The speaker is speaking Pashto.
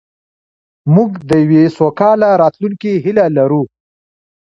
موږ د یوې سوکاله راتلونکې هیله لرو.